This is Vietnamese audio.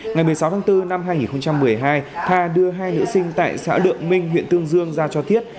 ngày một mươi sáu tháng bốn năm hai nghìn một mươi hai tha đưa hai nữ sinh tại xã lượng minh huyện tương dương ra cho thiết